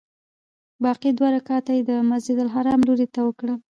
باقي دوه رکعته یې د مسجدالحرام لوري ته وکړل.